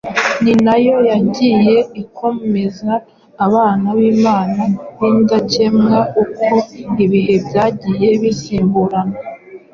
ni nayo yagiye ikomeza abana b’Imana b’indakemwa uko ibihe byagiye bisimburana.